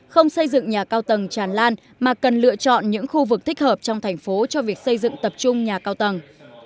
không xây dựng nhà cao tầng tràn lan mà cần lựa chọn những khu vực thích hợp trong thành phố cho việc xây dựng tập trung nhà cao tầng